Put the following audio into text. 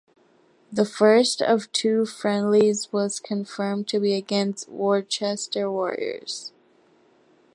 The first of two friendlies was confirmed to be against Worcester Warriors.